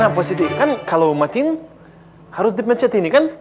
gimana pos siti kan kalo matiin harus dipencet ini kan